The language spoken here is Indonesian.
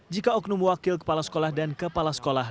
jika oknum wakil kepala sekolah dan kepala sekolah